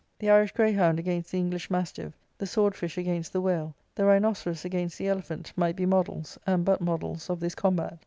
The Irish greyhound against the English mastiff, the sword fish against the whale, the rhinoceros against the elephant, might be models, and but models, of this combat.